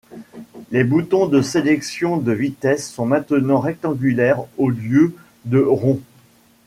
Les boutons de sélection de vitesse sont maintenant rectangulaires au lieu de ronds.